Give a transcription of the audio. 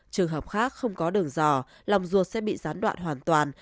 trường hợp khác không có đường giỏ lòng ruột sẽ bị gián đoạn hoàn toàn